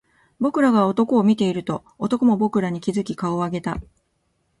僕らが男を見ていると、男も僕らに気付き顔を上げた